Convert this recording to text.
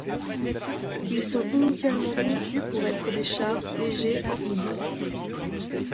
Ils sont initialement conçus pour être des chars légers amphibies.